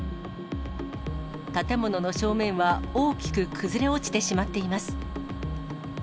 建物の正面は、大きく崩れ落ちてしまっています。